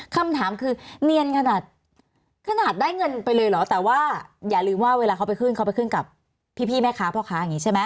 คำถามคือเนียนขนาดขนาดได้เงินไปเลยเหรอแต่ว่าอย่าลืมว่าเวลาเขาไปขึ้นเขาไปขึ้นกับพี่แม่ค้าพ่อค้าอย่างนี้ใช่ไหม